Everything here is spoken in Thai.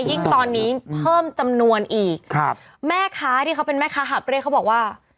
ยิ่งตอนนี้เพิ่มจำนวนอีกครับแม่ค้าที่เขาเป็นแม่ค้าหาบเร่เขาบอกว่า